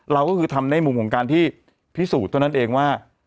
เราก็คือทำในมุมของการที่พิสูจน์เท่านั้นเองว่า